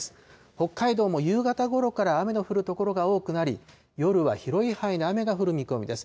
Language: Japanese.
北海道も夕方ごろから雨の降る所が多くなり、夜は広い範囲で雨が降る見込みです。